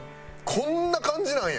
こんな感じなんや！